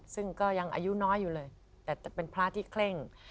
ซึ่งก็ยังอายุน้อยอยู่เลยแต่เป็นพระที่เคร่ง